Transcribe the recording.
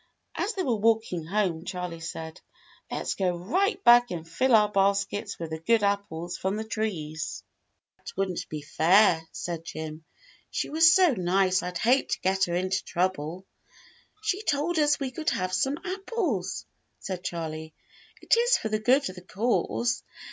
As they were walking home Charley said, "Let's go right back and fill our baskets with the good ap ples from the trees." 116 THE BLUE AUNT "That would n't be fair," said Jim. "She was so nice I'd hate to get her into trouble." "She told us we could have some apples," said Charley. "It is for the good of the cause.